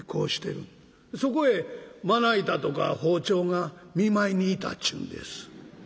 そこへまな板とか包丁が見舞いに行たっちゅうんです。